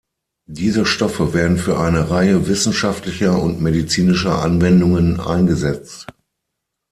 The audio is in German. Diese Stoffe werden für eine Reihe wissenschaftlicher und medizinischer Anwendungen eingesetzt.